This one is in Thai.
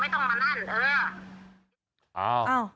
บางทีขยะมาไม่ตรงเวลากับฉันฉันทำงานก่อนอย่างนี้